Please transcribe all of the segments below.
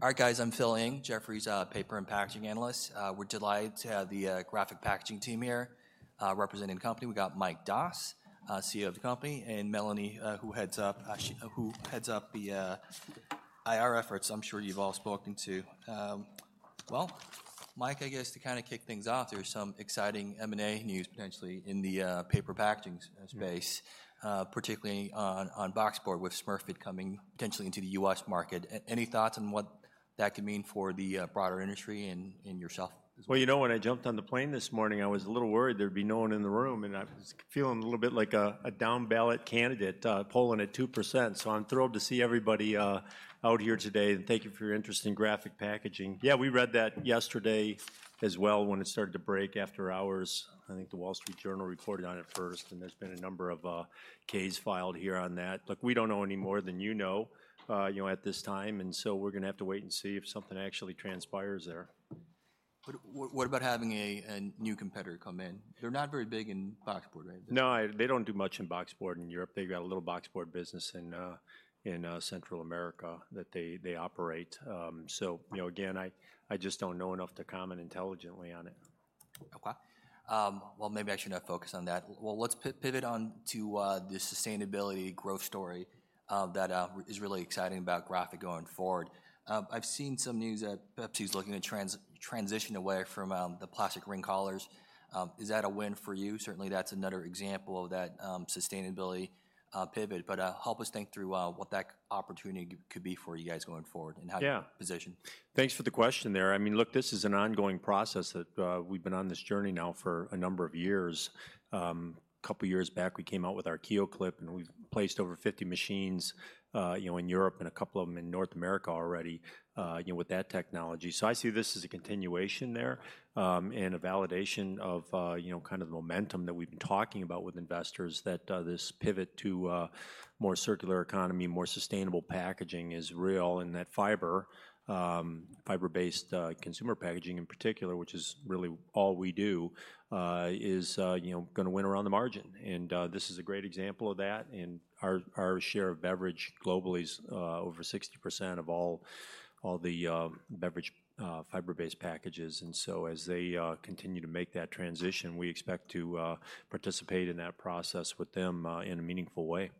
All right, guys, I'm Phil Ng, Jefferies' Paper and Packaging analyst. We're delighted to have the Graphic Packaging team here, representing the company. We got Mike Doss, CEO of the company, and Melanie, who heads up the IR efforts, I'm sure you've all spoken to. Well, Mike, I guess to kinda kick things off, there's some exciting M&A news potentially in the paper packaging space- Mm-hmm... particularly on boxboard with Smurfit coming potentially into the U.S. market. Any thoughts on what that could mean for the broader industry and yourself as well? Well, you know, when I jumped on the plane this morning, I was a little worried there'd be no one in the room, and I was feeling a little bit like a down-ballot candidate polling at 2%. So I'm thrilled to see everybody out here today, and thank you for your interest in Graphic Packaging. Yeah, we read that yesterday as well when it started to break after hours. I think the Wall Street Journal reported on it first, and there's been a number of cases filed here on that. Look, we don't know any more than you know you know at this time, and so we're gonna have to wait and see if something actually transpires there. But what about having a new competitor come in? They're not very big in boxboard, right? No, they don't do much in boxboard in Europe. They've got a little boxboard business in Central America that they operate. So you know, again, I just don't know enough to comment intelligently on it. Okay. Well, maybe I should not focus on that. Well, let's pivot on to the sustainability growth story that is really exciting about Graphic going forward. I've seen some news that Pepsi is looking to transition away from the plastic ring collars. Is that a win for you? Certainly, that's another example of that sustainability pivot, but help us think through what that opportunity could be for you guys going forward and how- Yeah - you position. Thanks for the question there. I mean, look, this is an ongoing process that, we've been on this journey now for a number of years. A couple of years back, we came out with our KeelClip, and we've placed over 50 machines, you know, in Europe and a couple of them in North America already, you know, with that technology. So I see this as a continuation there, and a validation of, you know, kind of the momentum that we've been talking about with investors, that, this pivot to a more circular economy, more sustainable packaging is real, and that fiber, fiber-based, consumer packaging in particular, which is really all we do, is, you know, gonna win around the margin. And, this is a great example of that. Our share of beverage globally is over 60% of all the beverage fiber-based packages. And so, as they continue to make that transition, we expect to participate in that process with them in a meaningful way.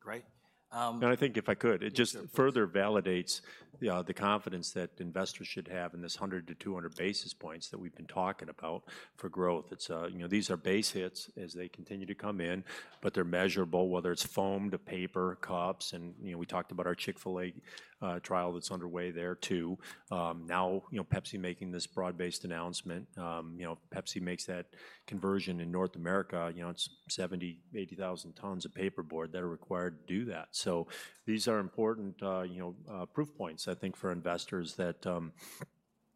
Great, um- I think if I could, it just further validates the confidence that investors should have in this 100-200 basis points that we've been talking about for growth. It's. You know, these are base hits as they continue to come in, but they're measurable, whether it's foam to paper cups, and, you know, we talked about our Chick-fil-A trial that's underway there, too. Now, you know, Pepsi making this broad-based announcement, you know, Pepsi makes that conversion in North America, you know, it's 70,000-80,000 tons of paperboard that are required to do that. So these are important, you know, proof points, I think, for investors that,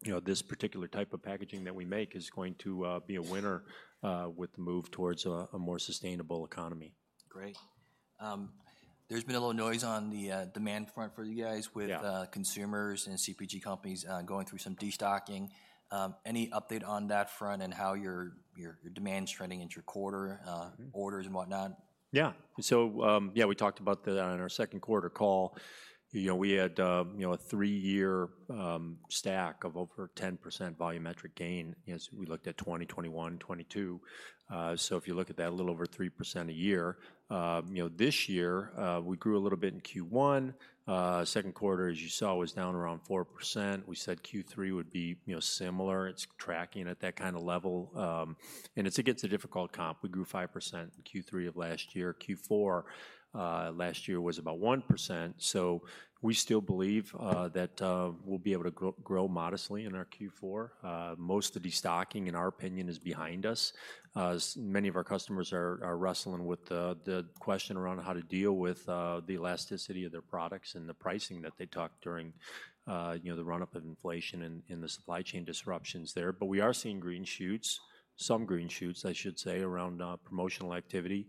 you know, this particular type of packaging that we make is going to be a winner with the move towards a more sustainable economy. Great. There's been a little noise on the demand front for you guys- Yeah... with consumers and CPG companies going through some destocking. Any update on that front and how your, your demand's trending into your quarter? Mm-hmm... orders and whatnot? Yeah. So, yeah, we talked about that on our second quarter call. You know, we had, you know, a three-year stack of over 10% volumetric gain as we looked at 2020, 2021, 2022. So if you look at that, a little over 3% a year. You know, this year, we grew a little bit in Q1. Second quarter, as you saw, was down around 4%. We said Q3 would be, you know, similar. It's tracking at that kind of level. And it's against a difficult comp. We grew 5% in Q3 of last year. Q4, last year was about 1%. So we still believe, that, we'll be able to grow, grow modestly in our Q4. Most of the destocking, in our opinion, is behind us, as many of our customers are wrestling with the question around how to deal with the elasticity of their products and the pricing that they talked during, you know, the run-up of inflation and the supply chain disruptions there. But we are seeing green shoots, some green shoots, I should say, around promotional activity.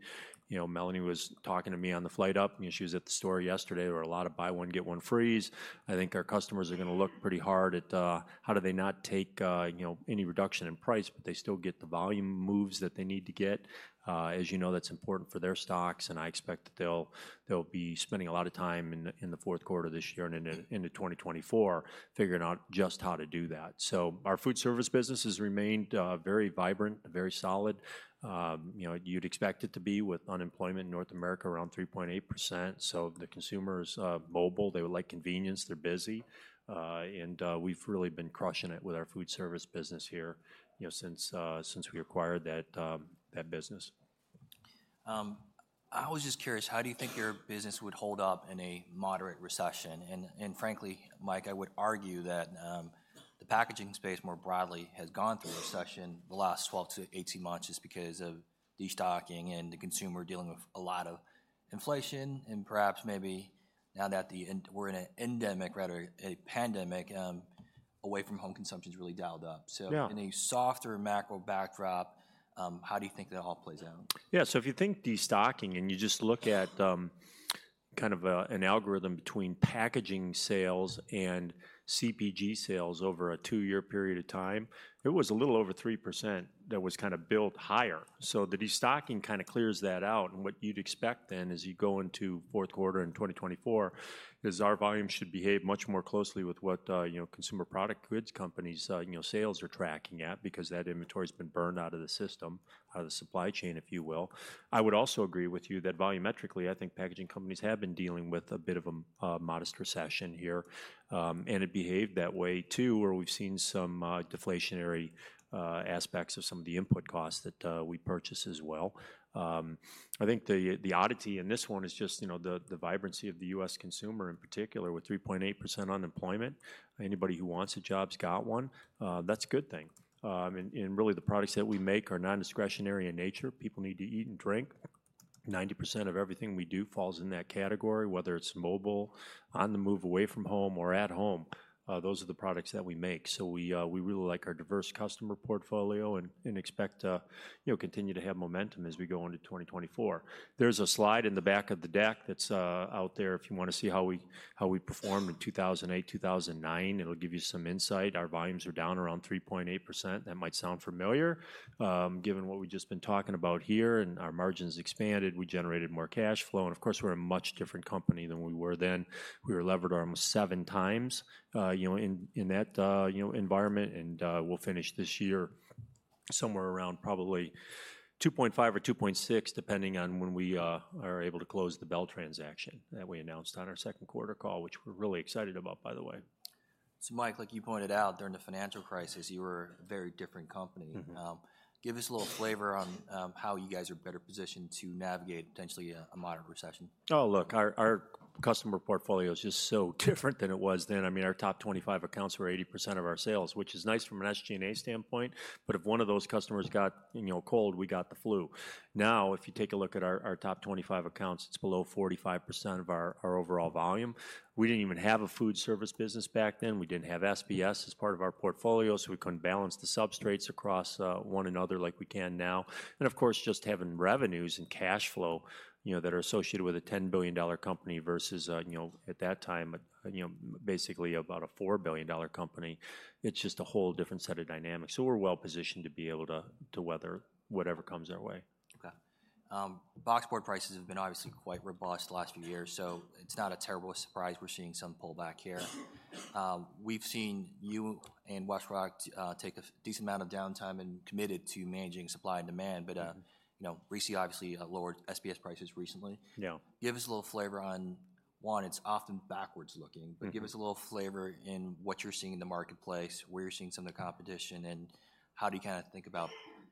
You know, Melanie was talking to me on the flight up, you know, she was at the store yesterday. There were a lot of buy one, get one frees. I think our customers are gonna look pretty hard at how do they not take, you know, any reduction in price, but they still get the volume moves that they need to get? As you know, that's important for their stocks, and I expect that they'll be spending a lot of time in the fourth quarter of this year and into 2024, figuring out just how to do that. So our food service business has remained very vibrant and very solid. You know, you'd expect it to be with unemployment in North America around 3.8%. So the consumer's mobile, they would like convenience, they're busy, and we've really been crushing it with our food service business here, you know, since we acquired that business. I was just curious, how do you think your business would hold up in a moderate recession? And, and frankly, Mike, I would argue that, the packaging space, more broadly, has gone through a recession - the last 12-18 months just because of destocking and the consumer dealing with a lot of inflation. And perhaps maybe now that we're in an endemic, rather a pandemic, away from home consumption is really dialed up. Yeah. In a softer macro backdrop, how do you think that all plays out? Yeah, so if you think destocking, and you just look at, kind of, an algorithm between packaging sales and CPG sales over a two-year period of time, it was a little over 3% that was kind of built higher. So the destocking kind of clears that out, and what you'd expect then as you go into fourth quarter in 2024, is our volume should behave much more closely with what, you know, consumer product goods companies, you know, sales are tracking at, because that inventory's been burned out of the system, out of the supply chain, if you will. I would also agree with you that volumetrically, I think packaging companies have been dealing with a bit of a, a modest recession here. And it behaved that way too, where we've seen some deflationary aspects of some of the input costs that we purchase as well. I think the oddity in this one is just, you know, the vibrancy of the U.S. consumer in particular, with 3.8% unemployment. Anybody who wants a job's got one. That's a good thing. And really, the products that we make are non-discretionary in nature. People need to eat and drink. 90% of everything we do falls in that category, whether it's mobile, on the move away from home or at home, those are the products that we make. So we really like our diverse customer portfolio and expect to, you know, continue to have momentum as we go into 2024. There's a slide in the back of the deck that's out there if you wanna see how we, how we performed in 2008, 2009. It'll give you some insight. Our volumes are down around 3.8%. That might sound familiar, given what we've just been talking about here, and our margins expanded, we generated more cash flow, and of course, we're a much different company than we were then. We were levered almost 7x, you know, in, in that, you know, environment, and we'll finish this year somewhere around probably 2.5 or 2.6, depending on when we are able to close the Bell transaction that we announced on our second quarter call, which we're really excited about, by the way. Mike, like you pointed out, during the financial crisis, you were a very different company. Mm-hmm. Give us a little flavor on how you guys are better positioned to navigate potentially a modern recession? Oh, look, our customer portfolio is just so different than it was then. I mean, our top 25 accounts were 80% of our sales, which is nice from an SG&A standpoint, but if one of those customers got, you know, cold, we got the flu. Now, if you take a look at our top 25 accounts, it's below 45% of our overall volume. We didn't even have a food service business back then. We didn't have SBS as part of our portfolio, so we couldn't balance the substrates across one another like we can now. And of course, just having revenues and cash flow, you know, that are associated with a $10 billion company versus, you know, at that time, you know, basically about a $4 billion company, it's just a whole different set of dynamics. So we're well positioned to be able to, to weather whatever comes our way. Okay. Boxboard prices have been obviously quite robust the last few years, so it's not a terrible surprise we're seeing some pullback here. We've seen you and WestRock take a decent amount of downtime and committed to managing supply and demand- Mm-hmm. But, you know, we see obviously lower SBS prices recently. Yeah. Give us a little flavor on one. It's often backward-looking. Mm-hmm. But give us a little flavor in what you're seeing in the marketplace, where you're seeing some of the competition, and how do you kinda think about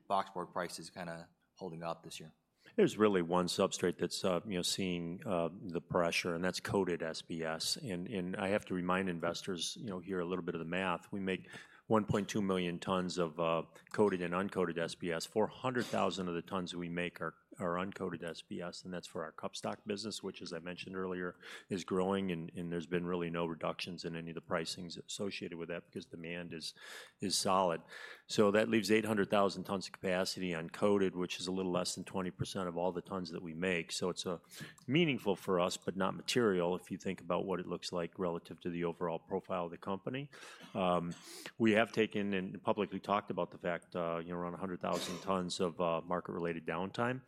boxboard prices kinda holding up this year? There's really one substrate that's, you know, seeing the pressure, and that's coated SBS. And I have to remind investors, you know, here a little bit of the math. We make 1.2 million tons of coated and uncoated SBS. 400,000 of the tons that we make are uncoated SBS, and that's for our cup stock business, which, as I mentioned earlier, is growing, and there's been really no reductions in any of the pricings associated with that because demand is solid. So that leaves 800,000 tons of capacity uncoated, which is a little less than 20% of all the tons that we make. So it's meaningful for us, but not material if you think about what it looks like relative to the overall profile of the company. We have taken and publicly talked about the fact, you know, around 100,000 tons of market-related downtime,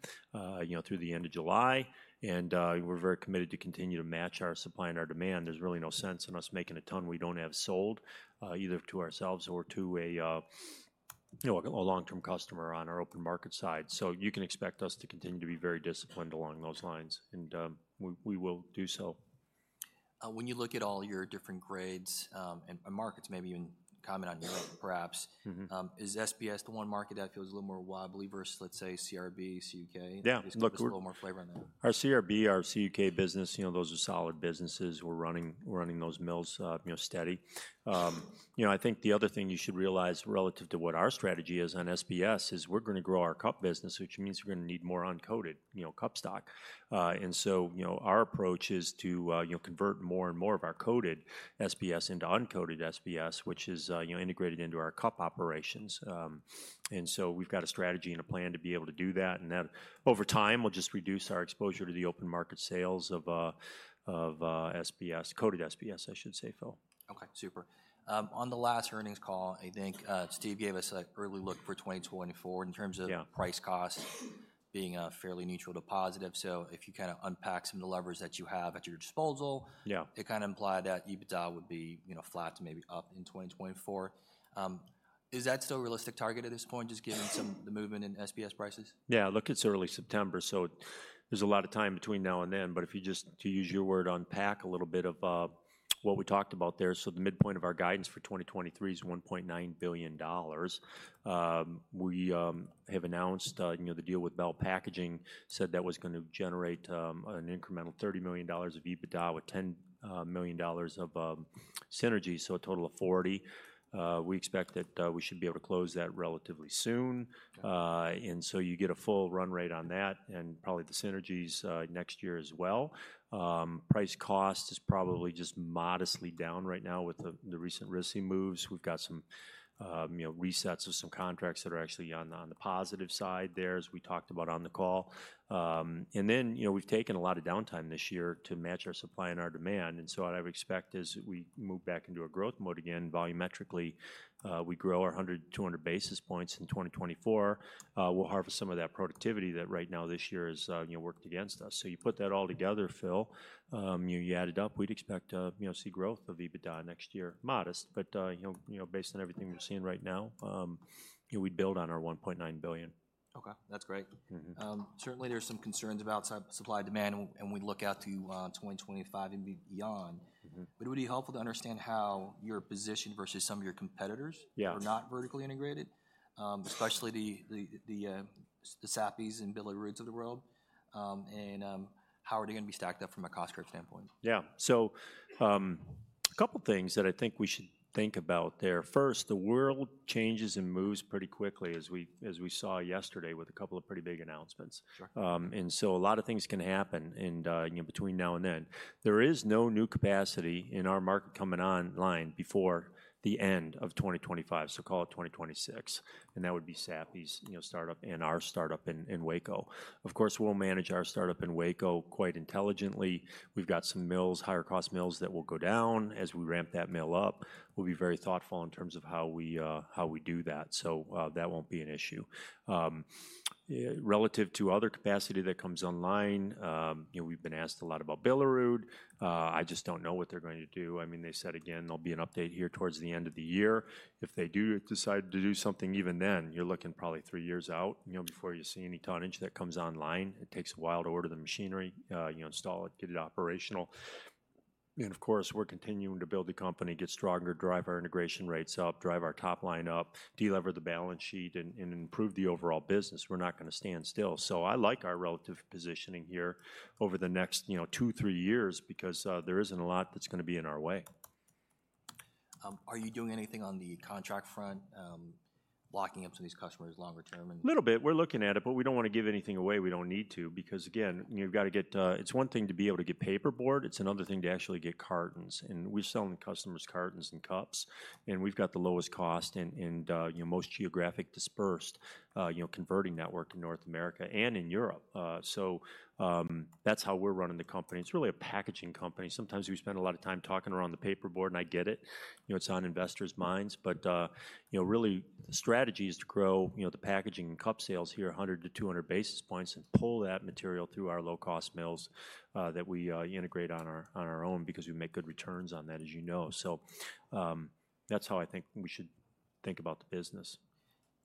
you know, through the end of July. We're very committed to continue to match our supply and our demand. There's really no sense in us making a ton we don't have sold, either to ourselves or to a, you know, a long-term customer on our open market side. So you can expect us to continue to be very disciplined along those lines, and we will do so. When you look at all your different grades, and markets, maybe even comment on your own, perhaps- Mm-hmm. Is SBS the one market that feels a little more wobbly versus, let's say, CRB, CUK? Yeah, look- Just give us a little more flavor on that. Our CRB, our CUK business, you know, those are solid businesses. We're running, we're running those mills, you know, steady. You know, I think the other thing you should realize relative to what our strategy is on SBS, is we're gonna grow our cup business, which means we're gonna need more uncoated, you know, cup stock. And so, you know, our approach is to, you know, convert more and more of our coated SBS into uncoated SBS, which is, you know, integrated into our cup operations. And so we've got a strategy and a plan to be able to do that, and then over time, we'll just reduce our exposure to the open market sales of, of, SBS, coated SBS, I should say, Phil. Okay, super. On the last earnings call, I think, Steve gave us an early look for 2024 in terms of- Yeah... price cost being fairly neutral to positive. So if you kinda unpack some of the levers that you have at your disposal- Yeah... it kinda implied that EBITDA would be, you know, flat to maybe up in 2024. Is that still a realistic target at this point, just given some, the movement in SBS prices? Yeah, look, it's early September, so there's a lot of time between now and then. But if you just, to use your word, unpack a little bit of what we talked about there. So the midpoint of our guidance for 2023 is $1.9 billion. We have announced, you know, the deal with Bell, said that was gonna generate an incremental $30 million of EBITDA with $10 million of synergy, so a total of $40 million. We expect that we should be able to close that relatively soon. And so you get a full run rate on that and probably the synergies next year as well. Price cost is probably just modestly down right now with the recent risk moves. We've got some, you know, resets of some contracts that are actually on the positive side there, as we talked about on the call. And then, you know, we've taken a lot of downtime this year to match our supply and our demand, and so what I would expect as we move back into a growth mode again, volumetrically, we grow 100-200 basis points in 2024. We'll harvest some of that productivity that right now this year has, you know, worked against us. So you put that all together, Phil, you add it up, we'd expect to, you know, see growth of EBITDA next year. Modest, but, you know, you know, based on everything we're seeing right now, you know, we'd build on our $1.9 billion. Okay, that's great. Mm-hmm. Certainly there are some concerns about supply, demand, and we look out to 2025 and beyond. Mm-hmm. But it would be helpful to understand how your position versus some of your competitors- Yeah... who are not vertically integrated, especially the Sappi's and Billeruds of the world. And, how are they gonna be stacked up from a cost curve standpoint? Yeah. So, a couple things that I think we should think about there. First, the world changes and moves pretty quickly as we saw yesterday with a couple of pretty big announcements. Sure. And so a lot of things can happen, and you know, between now and then. There is no new capacity in our market coming online before the end of 2025, so call it 2026, and that would be Sappi's, you know, startup and our startup in Waco. Of course, we'll manage our startup in Waco quite intelligently. We've got some mills, higher-cost mills, that will go down as we ramp that mill up. We'll be very thoughtful in terms of how we do that, so that won't be an issue. Relative to other capacity that comes online, you know, we've been asked a lot about Billerud. I just don't know what they're going to do. I mean, they said again, there'll be an update here towards the end of the year. If they do decide to do something, even then, you're looking probably three years out, you know, before you see any tonnage that comes online. It takes a while to order the machinery, you know, install it, get it operational. Of course, we're continuing to build the company, get stronger, drive our integration rates up, drive our top line up, delever the balance sheet, and, and improve the overall business. We're not gonna stand still. So I like our relative positioning here over the next, you know, two, three years because there isn't a lot that's gonna be in our way. Are you doing anything on the contract front, locking up some of these customers longer term and- Little bit. We're looking at it, but we don't wanna give anything away we don't need to because, again, you've gotta get... It's one thing to be able to get paperboard, it's another thing to actually get cartons, and we're selling the customers cartons and cups, and we've got the lowest cost and, you know, most geographic dispersed, you know, converting network in North America and in Europe. So, that's how we're running the company. It's really a packaging company. Sometimes we spend a lot of time talking around the paperboard, and I get it. You know, it's on investors' minds, but, you know, really the strategy is to grow, you know, the packaging and cup sales here, 100-200 basis points, and pull that material through our low-cost mills, that we, integrate on our, on our own because we make good returns on that, as you know. So, that's how I think we should think about the business.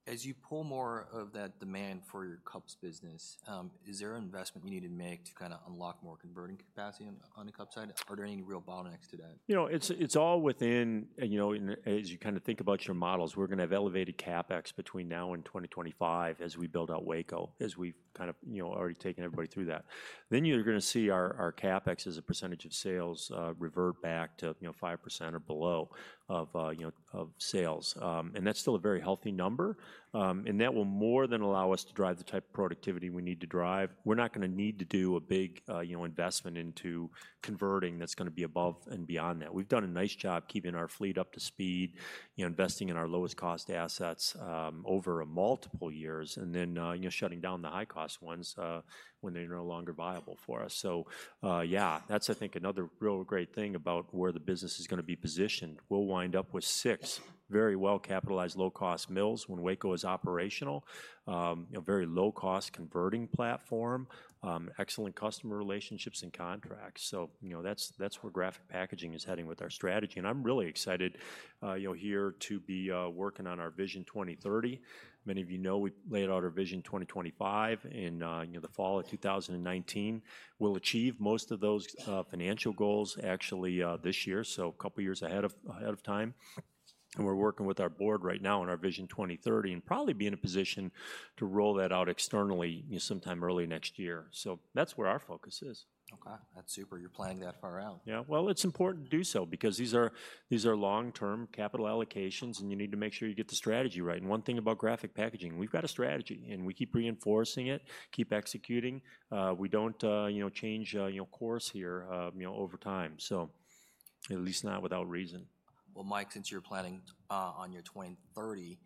As you pull more of that demand for your cups business, is there investment you need to make to kinda unlock more converting capacity on, on the cup side? Are there any real bottlenecks to that? You know, it's all within, you know, and as you kinda think about your models, we're gonna have elevated CapEx between now and 2025 as we build out Waco, as we've kind of, you know, already taken everybody through that. Then you're gonna see our CapEx as a percentage of sales revert back to, you know, 5% or below of sales. And that's still a very healthy number. And that will more than allow us to drive the type of productivity we need to drive. We're not gonna need to do a big investment into converting that's gonna be above and beyond that. We've done a nice job keeping our fleet up to speed, you know, investing in our lowest cost assets, over a multiple years, and then, you know, shutting down the high-cost ones, when they're no longer viable for us. So, yeah, that's I think, another real great thing about where the business is gonna be positioned. We'll wind up with 6 very well-capitalized, low-cost mills when Waco is operational. A very low-cost converting platform, excellent customer relationships and contracts. So, you know, that's, that's where Graphic Packaging is heading with our strategy, and I'm really excited, you know, here to be, working on our Vision 2030. Many of you know, we laid out our Vision 2025 in, you know, the fall of 2019. We'll achieve most of those, financial goals actually, this year, so a couple of years ahead of time. We're working with our board right now on our Vision 2030, and probably be in a position to roll that out externally, you know, sometime early next year. That's where our focus is. Okay, that's super. You're planning that far out. Yeah. Well, it's important to do so because these are, these are long-term capital allocations, and you need to make sure you get the strategy right. And one thing about Graphic Packaging, we've got a strategy, and we keep reinforcing it, keep executing. We don't, you know, change, you know, course here, you know, over time, so at least not without reason. ... Well, Mike, since you're planning on your 2030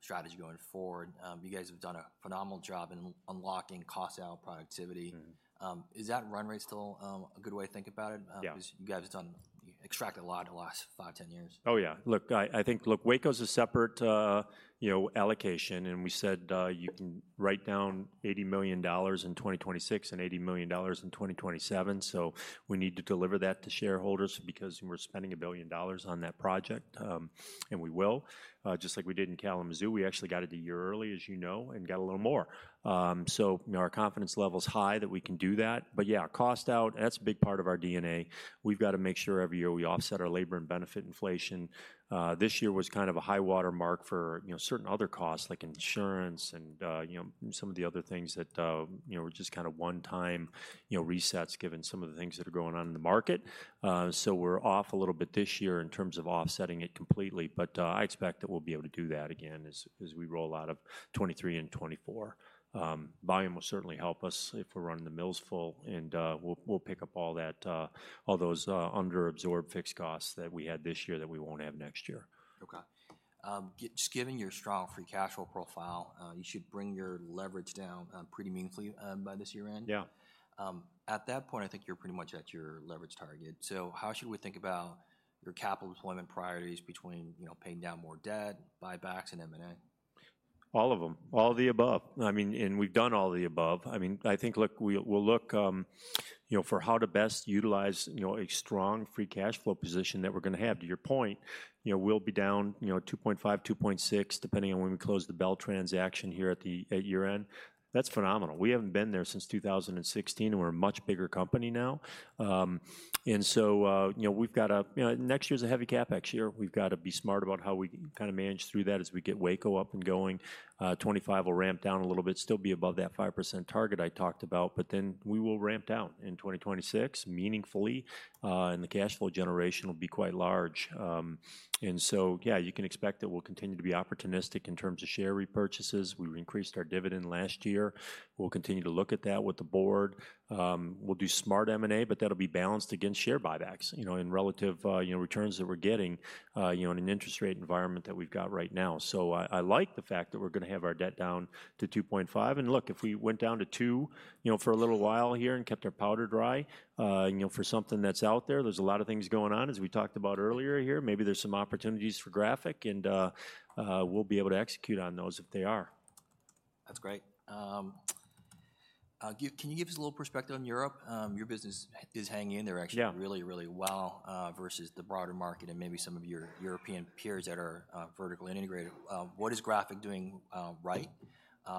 strategy going forward, you guys have done a phenomenal job in unlocking cost out productivity. Mm-hmm. Is that run rate still a good way to think about it? Yeah. 'Cause you guys have extracted a lot in the last 5, 10 years. Oh, yeah. Look, I think, look, Waco's a separate, you know, allocation, and we said, you can write down $80 million in 2026 and $80 million in 2027. So we need to deliver that to shareholders because we're spending $1 billion on that project. And we will, just like we did in Kalamazoo. We actually got it a year early, as you know, and got a little more. So our confidence level's high that we can do that, but yeah, cost out, that's a big part of our DNA. We've got to make sure every year we offset our labor and benefit inflation. This year was kind of a high water mark for, you know, certain other costs, like insurance and, you know, some of the other things that, you know, were just kind of one-time, you know, resets, given some of the things that are going on in the market. So we're off a little bit this year in terms of offsetting it completely, but, I expect that we'll be able to do that again as we roll out of 2023 and 2024. Volume will certainly help us if we're running the mills full, and, we'll pick up all that, all those, underabsorbed fixed costs that we had this year that we won't have next year. Okay. Just given your strong free cash flow profile, you should bring your leverage down pretty meaningfully by this year-end. Yeah. At that point, I think you're pretty much at your leverage target. So how should we think about your capital deployment priorities between, you know, paying down more debt, buybacks, and M&A? All of them. All of the above. I mean, and we've done all of the above. I mean, I think, look, we'll look, you know, for how to best utilize, you know, a strong free cash flow position that we're gonna have. To your point, you know, we'll be down, you know, 2.5, 2.6, depending on when we close the Bell transaction here at the, at year-end. That's phenomenal. We haven't been there since 2016, and we're a much bigger company now. And so, you know, we've got. You know, next year's a heavy CapEx year. We've got to be smart about how we kind of manage through that as we get Waco up and going. 25 will ramp down a little bit, still be above that 5% target I talked about, but then we will ramp down in 2026 meaningfully, and the cash flow generation will be quite large. And so, yeah, you can expect that we'll continue to be opportunistic in terms of share repurchases. We increased our dividend last year. We'll continue to look at that with the board. We'll do smart M&A, but that'll be balanced against share buybacks, you know, and relative, you know, returns that we're getting, you know, in an interest rate environment that we've got right now. So I, I like the fact that we're gonna have our debt down to 2.5. And look, if we went down to two, you know, for a little while here and kept our powder dry, you know, for something that's out there, there's a lot of things going on, as we talked about earlier here. Maybe there's some opportunities for Graphic, and we'll be able to execute on those if they are. That's great. Can you give us a little perspective on Europe? Your business is hanging in there actually. Yeah... really, really well versus the broader market and maybe some of your European peers that are vertically integrated. What is Graphic doing right,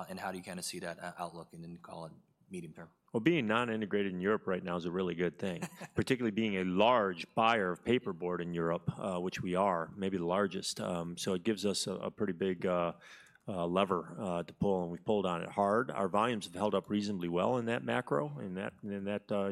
and how do you kind of see that outlook in the, call it, medium term? Well, being non-integrated in Europe right now is a really good thing. Particularly being a large buyer of paperboard in Europe, which we are, maybe the largest. So it gives us a pretty big lever to pull, and we've pulled on it hard. Our volumes have held up reasonably well in that macro, you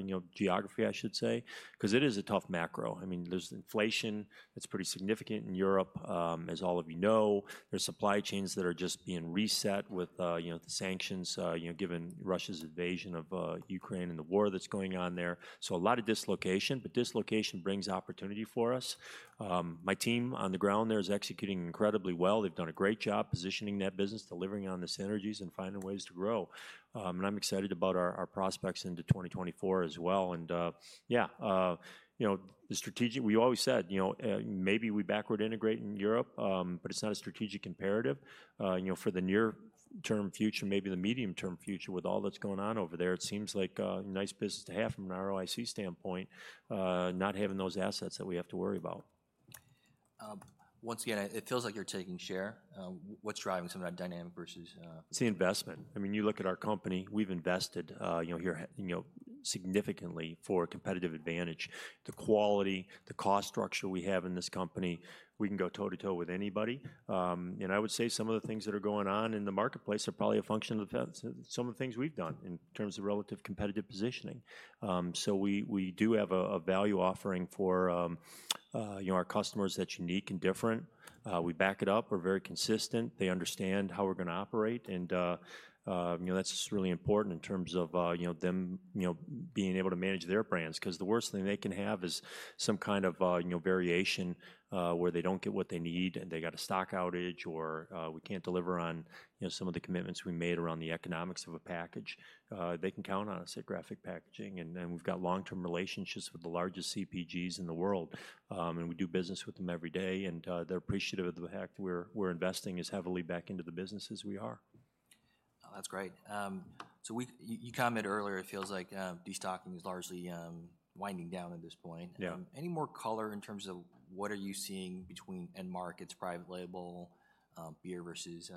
know, geography, I should say, 'cause it is a tough macro. I mean, there's inflation that's pretty significant in Europe. As all of you know, there's supply chains that are just being reset with, you know, the sanctions, you know, given Russia's invasion of Ukraine and the war that's going on there. So a lot of dislocation, but dislocation brings opportunity for us. My team on the ground there is executing incredibly well. They've done a great job positioning that business, delivering on the synergies, and finding ways to grow. And I'm excited about our prospects into 2024 as well, and you know, we always said, you know, maybe we backward integrate in Europe, but it's not a strategic imperative. You know, for the near-term future, maybe the medium-term future, with all that's going on over there, it seems like a nice business to have from an ROIC standpoint, not having those assets that we have to worry about. Once again, it feels like you're taking share. What's driving some of that dynamic versus, It's the investment. I mean, you look at our company, we've invested, you know, here, you know, significantly for a competitive advantage. The quality, the cost structure we have in this company, we can go toe-to-toe with anybody. I would say some of the things that are going on in the marketplace are probably a function of some of the things we've done in terms of relative competitive positioning. We do have a value offering for, you know, our customers that's unique and different. We back it up. We're very consistent. They understand how we're gonna operate, and, you know, that's just really important in terms of, you know, them, you know, being able to manage their brands. 'Cause the worst thing they can have is some kind of, you know, variation, where they don't get what they need, and they got a stock outage, or, we can't deliver on, you know, some of the commitments we made around the economics of a package. They can count on us at Graphic Packaging, and, and we've got long-term relationships with the largest CPGs in the world. And we do business with them every day, and, they're appreciative of the fact we're investing as heavily back into the business as we are. Oh, that's great. So you commented earlier, it feels like destocking is largely winding down at this point. Yeah. Any more color in terms of what are you seeing between end markets, private label, beer versus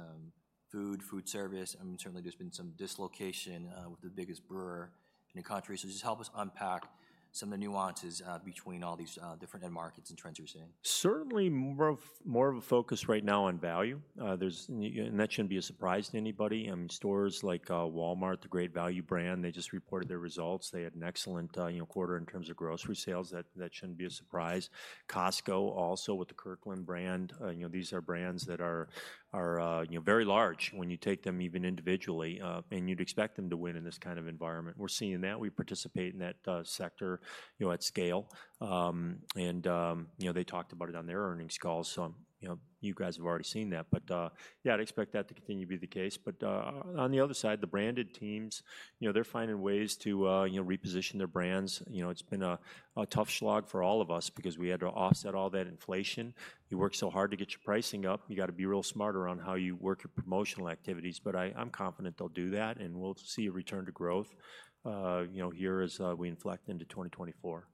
food, food service? I mean, certainly there's been some dislocation with the biggest brewer in the country. Just help us unpack some of the nuances between all these different end markets and trends you're seeing? Certainly more of a focus right now on value. There's, and that shouldn't be a surprise to anybody. Stores like Walmart, the Great Value brand, they just reported their results. They had an excellent, you know, quarter in terms of grocery sales. That shouldn't be a surprise. Costco also with the Kirkland brand, you know, these are brands that are, you know, very large when you take them even individually. And you'd expect them to win in this kind of environment. We're seeing that. We participate in that sector, you know, at scale. And you know, they talked about it on their earnings call, so you know, you guys have already seen that. But yeah, I'd expect that to continue to be the case. But on the other side, the branded teams, you know, they're finding ways to, you know, reposition their brands. You know, it's been a tough slog for all of us because we had to offset all that inflation. You work so hard to get your pricing up, you gotta be real smarter on how you work your promotional activities. But I'm confident they'll do that, and we'll see a return to growth, you know, here as we inflect into 2024.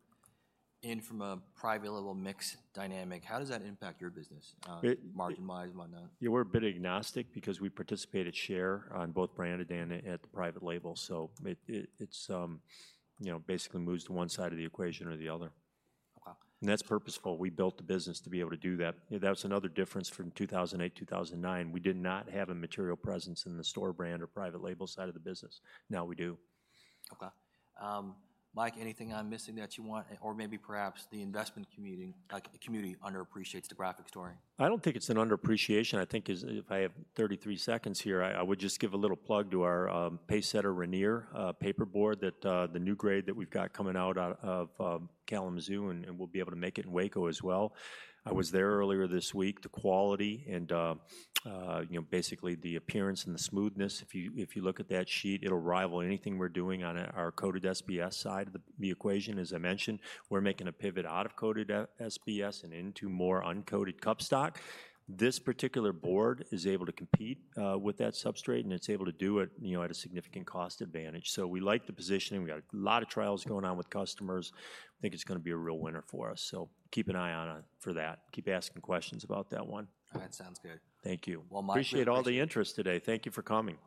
From a private label mix dynamic, how does that impact your business? It- margin-wise and what not? Yeah, we're a bit agnostic because we participate at share on both branded and at the private label. So it, it's, you know, basically moves to one side of the equation or the other. Okay. And that's purposeful. We built the business to be able to do that. You know, that's another difference from 2008, 2009. We did not have a material presence in the store brand or private label side of the business. Now we do. Okay. Mike, anything I'm missing that you want... Or maybe perhaps the investment community, like, the community underappreciates the Graphic story? I don't think it's an underappreciation. I think it is—if I have 33 seconds here, I would just give a little plug to our PaceSetter Rainier paperboard, that the new grade that we've got coming out of Kalamazoo, and we'll be able to make it in Waco as well. I was there earlier this week. The quality and you know, basically the appearance and the smoothness, if you if you look at that sheet, it'll rival anything we're doing on our coated SBS side of the equation. As I mentioned, we're making a pivot out of coated SBS and into more uncoated cup stock. This particular board is able to compete with that substrate, and it's able to do it you know, at a significant cost advantage. So we like the positioning. We got a lot of trials going on with customers. I think it's gonna be a real winner for us, so keep an eye on, for that. Keep asking questions about that one. All right, sounds good. Thank you. Well, Mike- Appreciate all the interest today. Thank you for coming.